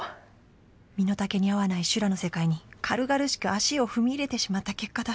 「身の丈に合わない修羅の世界に軽々しく足を踏み入れてしまった結果だ」。